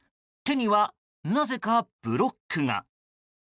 手にはなぜかブロックが。